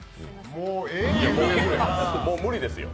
もう無理ですよ。